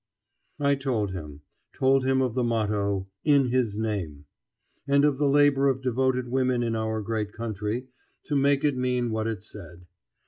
I told him; told him of the motto, "In His Name," and of the labor of devoted women in our great country, to make it mean what it said.